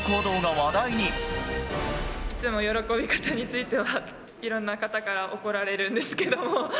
いつも喜び方については、いろんな方から怒られるんですけど。